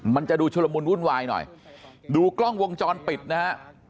มันจะดูชุลมุนวุ่นวายหน่อยดูกล้องวงจรปิดนะฮะ